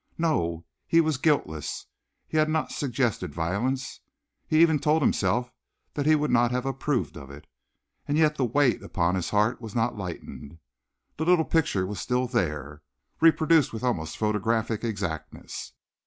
No, he was guiltless! He had not suggested violence! He even told himself that he would not have approved of it. And yet the weight upon his heart was not lightened. The little picture was still there, reproduced with almost photographic exactness.